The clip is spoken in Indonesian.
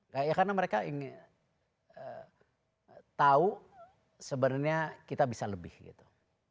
kayak karena mereka ingin tahu sebenarnya kita bisa lebih gitu